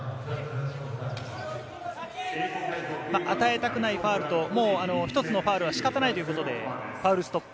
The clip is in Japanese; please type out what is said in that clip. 与えたくないファウルと、１つのファウルは仕方ないということでファウルストップ。